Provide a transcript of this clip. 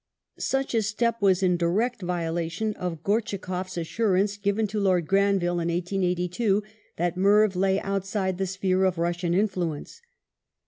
Such a step was in direct violation of Gortchakoff's assurance, given to Lord Granville in 1882, that Merv "lay outside the sphere of Russian influence